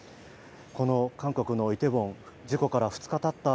この韓国のイテウォン事故から２日たった